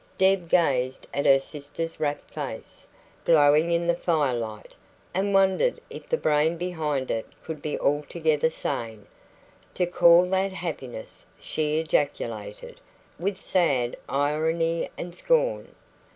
Deb gazed at her sister's rapt face, glowing in the firelight, and wondered if the brain behind it could be altogether sane. "To call that HAPPINESS!" she ejaculated, with sad irony and scorn.